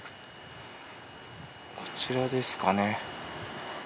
こちらですかね。